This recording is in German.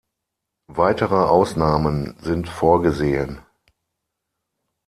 Weitere Ausnahmen sind vorgesehen.